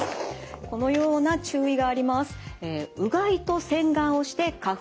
このような注意があります。